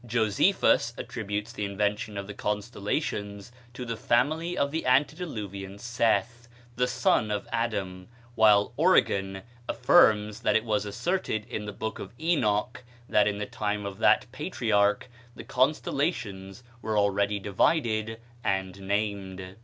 Josephus attributes the invention of the constellations to the family of the antediluvian Seth, the son of Adam, while Origen affirms that it was asserted in the Book of Enoch that in the time of that patriarch the constellations were already divided and named.